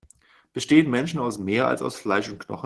Bestehen Menschen aus mehr, als aus Fleisch und Knochen?